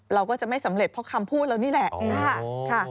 เราก็จะไม่สำเร็จเพราะคำพูดเรานี่แหละ